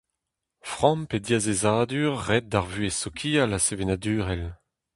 Framm pe diazezadur ret d'ar vuhez sokial ha sevenadurel.